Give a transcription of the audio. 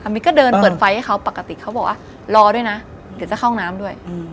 มิดก็เดินเปิดไฟให้เขาปกติเขาบอกว่ารอด้วยนะเดี๋ยวจะเข้าน้ำด้วย